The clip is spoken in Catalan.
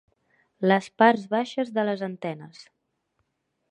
Les parts baixes de les antenes.